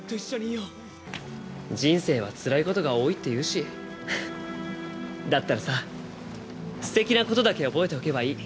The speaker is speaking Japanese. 人生はつらいことが多いっていうし、だったらさ、すてきなことだけ覚えておけばいい。